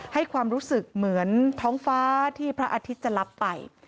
ให้ความรู้สึกเหมือนท้องฟ้าที่พระอาทิตย์จะรับไป